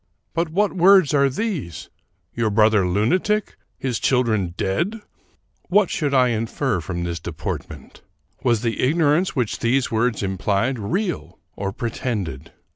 But what words are these ? Your brother lunatic ! His children dead !" What should I infer from this deportment? Was the ignorance which these words implied real or pretended?